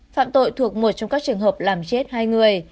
phạm tội thuộc một trong các trường hợp làm chết hai người